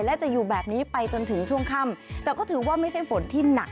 และจะอยู่แบบนี้ไปจนถึงช่วงค่ำแต่ก็ถือว่าไม่ใช่ฝนที่หนัก